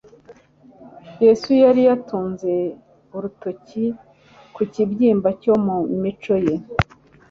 Yesu yari yatunze urutoke ku kibyimba cyo mu mico ye,